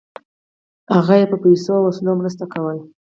هغه یې په پیسو او وسلو مرسته کوله.